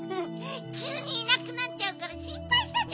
きゅうにいなくなっちゃうからしんぱいしたじゃない。